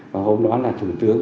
và hôm đó là thủ tướng